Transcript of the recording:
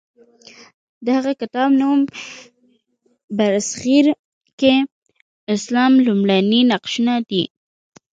د هغه کتاب نوم برصغیر کې اسلام لومړني نقشونه دی.